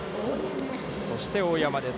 そして大山です。